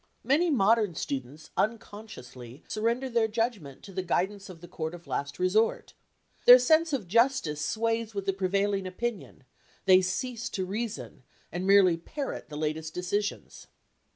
Many modern students unconsciously surrender their judg ment to the guidance of the court of last resort. Their sense of justice sways with the pre vailing opinion ; they cease to reason, and merely parrot the latest decisions.